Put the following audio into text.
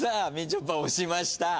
ちょぱ押しました。